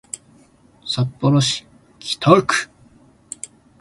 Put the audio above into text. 札幌市北区